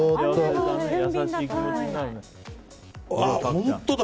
本当だ！